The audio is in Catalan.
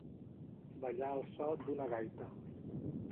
Ballar al so d'una gaita.